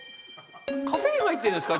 カフェイン入ってんですか？